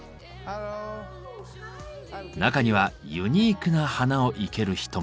中にはユニークな花を生ける人も。